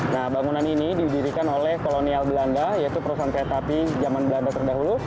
nah bangunan ini didirikan oleh kolonial belanda yaitu perusahaan kereta api zaman belanda terdahulu